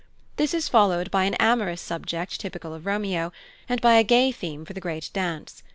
This is followed by an amorous subject typical of Romeo, and by a gay theme for the great dance.